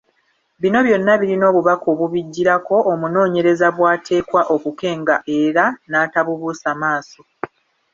Bino byonna birina obubaka obubiggirako omunoonyereza bw’ateekwa okukenga era n’atabubuusa maaso.